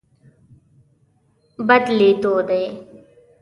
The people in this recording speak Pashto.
بدلېدو دی.